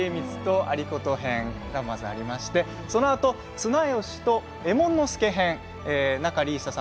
家光、有功編がありましてそのあと綱吉、左衛門佐編仲里依紗さん